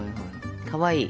かわいい。